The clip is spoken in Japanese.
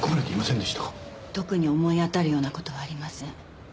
特に思い当たるような事はありません。